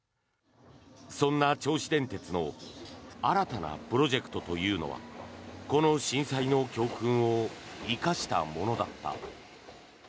そんな銚子電鉄の新たなプロジェクトというのはこの震災の教訓を生かしたものだった。